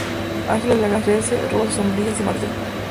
Ángela le agradece, roba su sombrilla y se marcha.